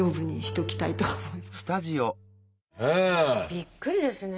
びっくりですね。